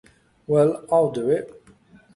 Well, I’ll do it.